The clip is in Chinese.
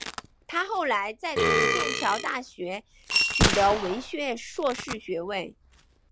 她后来再从剑桥大学取得文学硕士学位。